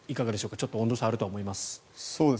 ちょっと温度差があると思います。